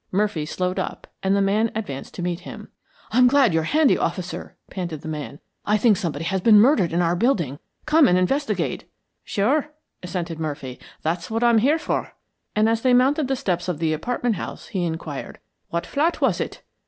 Murphy slowed up and the man advanced to meet him. "I'm glad you're handy, Officer," panted the man. "I think somebody has been murdered in our building. Come and investigate." "Sure," assented Murphy. "That's what I'm here for," and as they mounted the steps of the apartment house, he inquired, "What flat was it?"